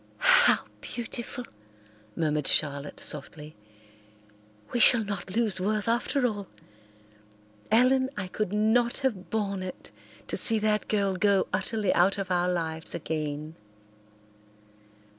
"How beautiful!" murmured Charlotte softly. "We shall not lose Worth after all. Ellen, I could not have borne it to see that girl go utterly out of our lives again."